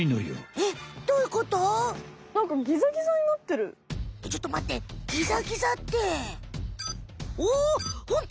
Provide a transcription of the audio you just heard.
えっちょっとまってギザギザっておおホント！